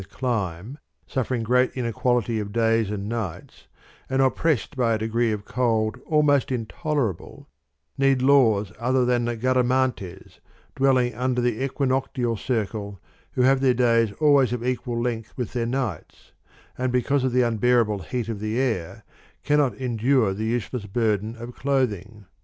i The Scythians/ living beyond the le/ suffering great inequality of days and nights, and oppressed by a degree of cold almost intolerable, need laws other than the Gar amantes,'^ dwelling under the equinoctial circle, who have their days always of equal length with their nights, and because of the unbearable heat of the air cannot endure the useless burden of clothing.